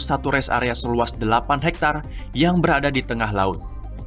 satu res area seluas delapan hektare yang berada di tengah laut